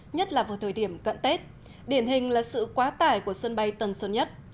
nhất là vào thời điểm cận tết điển hình là sự quá tải của sân bay tân sơn nhất